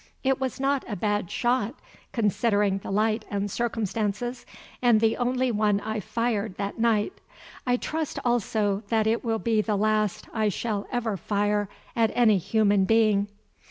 It was not a bad shot considering the light and circumstances, and the only one I fired that night. I trust also that it will be the last I shall ever fire at any human being.